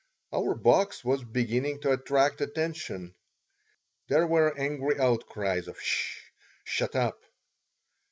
Our box was beginning to attract attention. There were angry outcries of "'S sh!" "Shut up!"